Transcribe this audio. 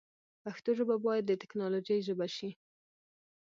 پښتو ژبه باید د تکنالوژۍ ژبه شی